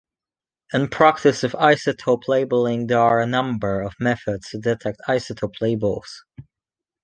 In practice of isotope labeling, there are a number of methods to detect isotope labels.